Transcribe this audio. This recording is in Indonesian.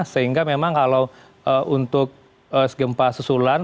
sehingga memang kalau untuk gempa susulan